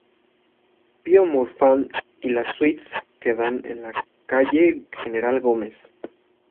Pío Montúfar y las suites que dan a la calle General Gómez.